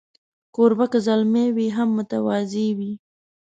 کوربه که زلمی وي، هم متواضع وي.